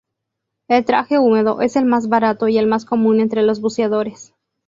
El traje húmedo es el más barato y el más común entre los buceadores.